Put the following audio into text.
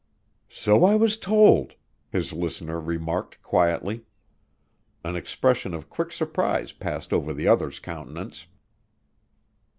"So I was told," his listener remarked quietly. An expression of quick surprise passed over the other's countenance.